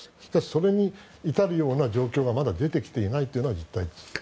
それに至るような状況がまだ出てきていないのが実態です。